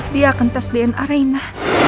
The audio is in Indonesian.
dia akan tes dna arena